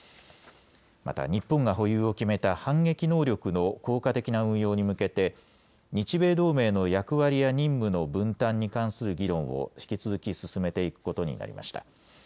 また日本が保有を決めた反撃能力の効果的な運用に向けて日米同盟の役割や任務の分担に関する議論を引き続き進めていくことになりました。